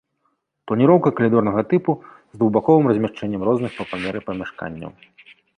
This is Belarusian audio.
Планіроўка калідорнага тыпу з двухбаковым размяшчэннем розных па памеры памяшканняў.